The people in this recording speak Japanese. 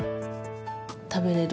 食べれる